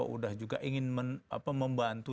udah juga ingin membantu